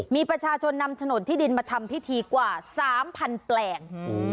มีประชาชนนำฉนดที่ดินมาทำพิธีกว่า๓๐๐แปลง